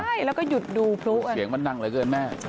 ใช่แล้วก็หยุดดูพลุเสียงมันดังเหลือเกินแม่